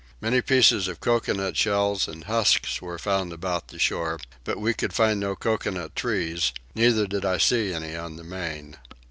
Many pieces of coconut shells and husk were found about the shore, but we could find no coconut trees, neither did I see any on the main.